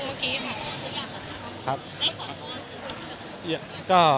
น้ำนาธิยาน้ำนาธิยาขุนชิ้น